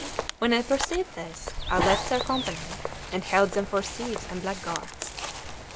When I perceived this, I left their company, and held them for thieves and black guards.